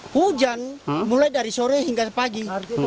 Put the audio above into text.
hujan mulai dari sore hingga pagi